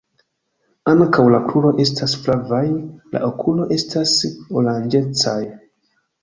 Ankaŭ la kruroj esta flavaj, La okuloj estas oranĝecaj.